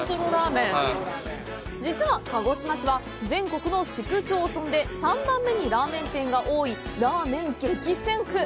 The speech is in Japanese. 実は、鹿児島市は全国の市区町村で３番目にラーメン店が多いラーメン激戦区！